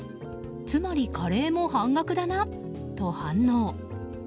つまりカレーも半額だなと反応。